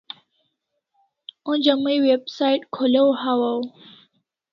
Onja mai website kholaw hawaw